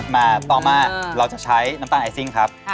ต่อมาเราจะใช้น้ำตาลไอซิ่งครับ